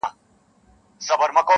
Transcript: تاريخ د درد شاهد پاتې کيږي,